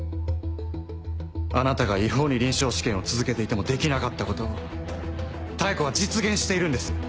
あなたが違法に臨床試験を続けていてもできなかったことを妙子は実現しているんです。